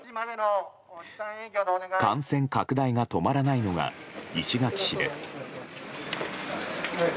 感染拡大が止まらないのが石垣市です。